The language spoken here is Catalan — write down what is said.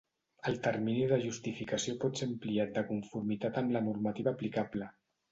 El termini de justificació pot ser ampliat de conformitat amb la normativa aplicable.